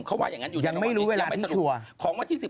เขาว่าอย่างนั้นอยู่ในระหว่างนี้ยังไม่รู้เวลาที่สุด